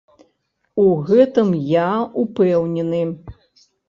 У гэтым я ўпэўнены.